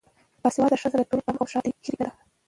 باسواده ښځې د ټولنې په غم او ښادۍ کې شریکې دي.